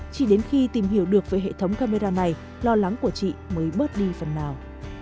chỉ đến khi tìm hiểu được về hệ thống camera này lo lắng của chị mới bớt đi phần nào